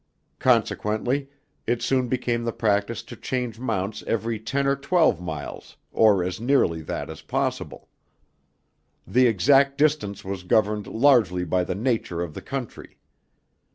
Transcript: Consequently, it soon became the practice to change mounts every ten or twelve miles or as nearly that as possible. The exact distance was governed largely by the nature of the country.